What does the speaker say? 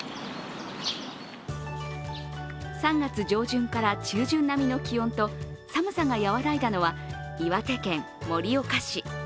３月上旬から中旬並みの気温と寒さが和らいだのは岩手県盛岡市。